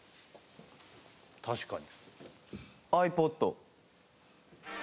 確かに。